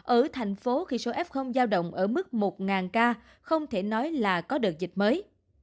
ở thành phố khi số f giao động ở mức một ca không thể nói là có đợt dịch mới